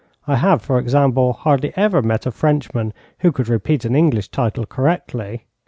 I have, for example, hardly ever met a Frenchman who could repeat an English title correctly.